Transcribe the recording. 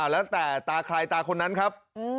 แล้วแต่ตาใครตาคนนั้นครับ